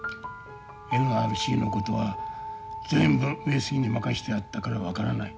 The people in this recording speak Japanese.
ＮＲＣのことは全部上杉に任せてあったから分からない。